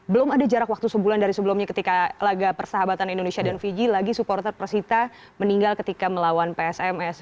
belum ada jarak waktu sebulan dari sebelumnya ketika laga persahabatan indonesia dan fiji lagi supporter persita meninggal ketika melawan psms